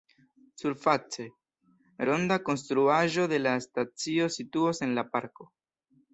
Surface, ronda konstruaĵo de la stacio situos en la parko.